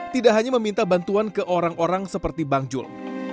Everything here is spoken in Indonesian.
tidak hanya meminta bantuan ke orang orang seperti bang jul